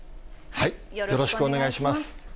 よろしくお願いします。